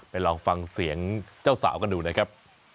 ลองฟังเสียงเจ้าสาวกันดูนะครับ